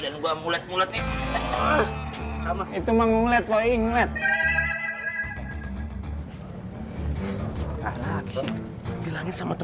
sekalian lo ah kacang gulung hehehehe